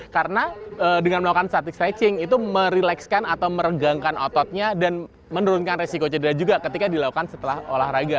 karena dengan melakukan static stretching itu merelakskan atau meregangkan ototnya dan menurunkan risiko cedera juga ketika dilakukan setelah berolahraga